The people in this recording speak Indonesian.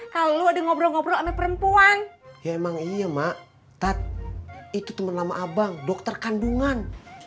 kalau ada ngobrol ngobrol sama perempuan ya emang iya mak itu teman lama abang dokter kandungan